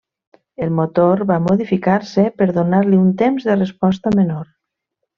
El motor va modificar-se per donar-li un temps de resposta menor.